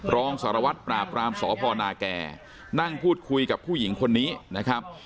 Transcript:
รองสารวัตรปราบรามสพนาแก่นั่งพูดคุยกับผู้หญิงคนนี้นะครับ